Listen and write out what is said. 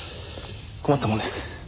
困ったもんです。